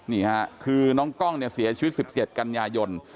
นี่ค่ะคือน้องกล้องเนี่ยเสียชีวิต๑๗กันยายน